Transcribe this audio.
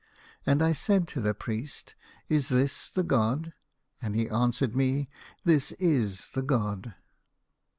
" And I said to the priest, ' Is this the god ?' And he answered me, ' This is the god.